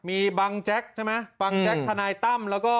มีบังแจ๊คถนายตั้ม